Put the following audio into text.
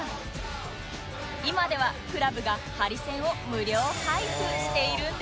今ではクラブがハリセンを無料配布しているんです